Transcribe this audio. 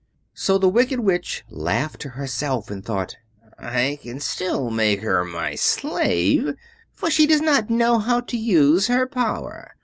So the Wicked Witch laughed to herself, and thought, "I can still make her my slave, for she does not know how to use her power."